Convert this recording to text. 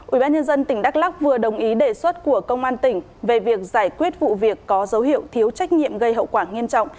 ubnd tỉnh đắk lắc vừa đồng ý đề xuất của công an tỉnh về việc giải quyết vụ việc có dấu hiệu thiếu trách nhiệm gây hậu quả nghiêm trọng